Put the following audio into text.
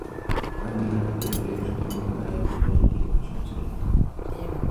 কারণ, লীলার আদরের বেগ সম্বরণ করা এই ছোটো জন্তুটার পক্ষে সহজ ছিল না।